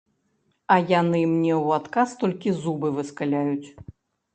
А яны мне ў адказ толькі зубы выскаляюць.